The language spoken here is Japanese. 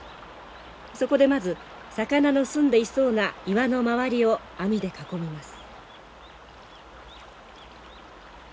そこでまず魚のすんでいそうな岩の周りを網で囲みます。